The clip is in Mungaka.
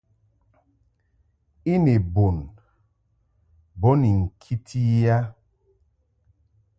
I ni bun bo ni ŋkiti i a.